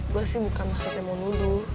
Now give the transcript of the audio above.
gue sih bukan maksudnya mau nuduh